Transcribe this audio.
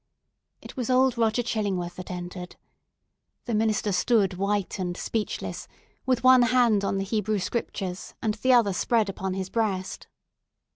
It was old Roger Chillingworth that entered. The minister stood white and speechless, with one hand on the Hebrew Scriptures, and the other spread upon his breast.